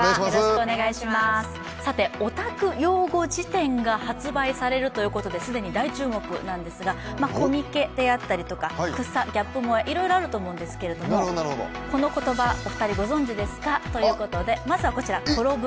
オタク用語辞典が発売されるということで既に大注目なんですが、コミケであったり草、ギャップ萌えなどいろいろあると思うんですけどこの言葉、お二人ご存じですかということでまずはこちら、転ぶ。